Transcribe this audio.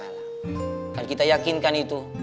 dan kita yakinkan itu